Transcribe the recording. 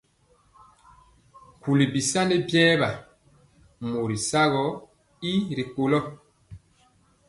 Nkuli bisani biɛɛba mori sagɔ y ri kolo.